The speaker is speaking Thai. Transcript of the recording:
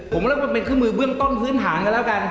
ผมว่าเป็นเครื่องมือเบื้องต้นพื้นฐานกันแล้วกัน